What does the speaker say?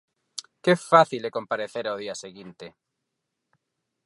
Que fácil é comparecer ao día seguinte.